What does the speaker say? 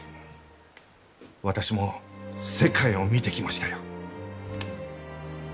私も世界を見てきましたよ。